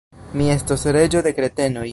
Mi estos reĝo de kretenoj!